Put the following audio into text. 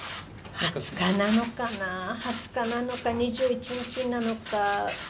２０日なのかな、２０日なのか、２１日なのか。